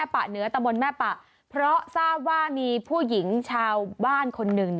พอทราบว่ามีผู้หญิงชาวบ้านคุณหนึ่ง